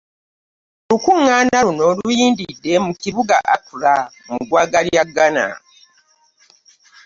Olukungaana luno luyindidde mu kibuga Accra mu ggwanga lya Ghana